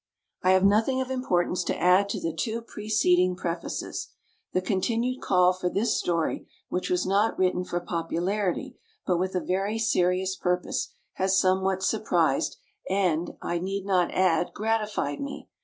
I have nothing of importance to add to the two preceding Prefaces. The continued call for this story, which was not written for popularity, but with a very serious purpose, has somewhat surprised and, I need not add, gratified me.